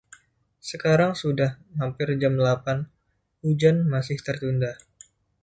Sekarang sudah hampir jam delapan; hujan masih tertunda.